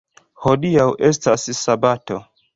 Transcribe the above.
Hodiaŭ estas sabato.